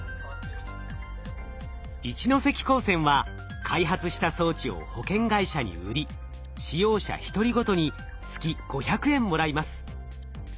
一関高専は開発した装置を保険会社に売り使用者一人ごとに月５００円もらいます。